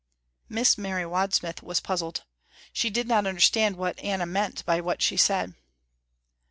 Miss Mary Wadsmith was puzzled. She did not understand what Anna meant by what she said.